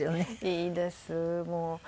いいですもう。